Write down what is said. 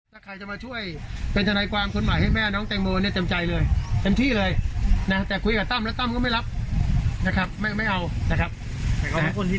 ถ้าใครจะมาช่วยเป็นทนายความคนใหม่ให้แม่น้องแตงโมเนี่ยเต็มใจเลยเต็มที่เลยนะแต่คุยกับตั้มแล้วตั้มก็ไม่รับนะครับไม่เอานะครับ